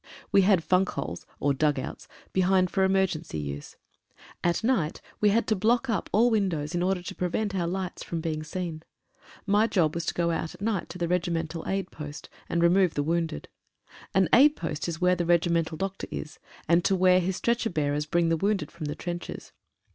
We had funk holes, or dug outs behind for emergency use. At night we had to block up al! windows in order to prevent our lights from being seen. My job was to go out at night to the regimental aid post, and remove the wounded. An aid post is where the re gimental doctor is, and to where his stretcher bearers bring the wounded from the trenches.